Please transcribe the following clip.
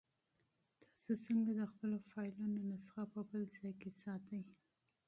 تاسو څنګه د خپلو فایلونو نسخه په بل ځای کې ساتئ؟